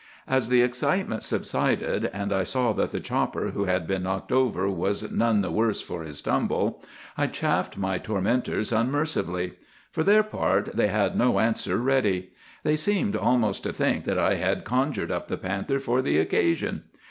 As the excitement subsided, and I saw that the chopper who had been knocked over was none the worse for his tumble, I chaffed my tormentors unmercifully. For their part they had no answer ready. They seemed almost to think that I had conjured up the panther for the occasion.